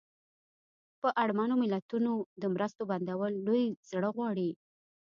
پر اړمنو ملتونو د مرستو بندول لوی زړه غواړي.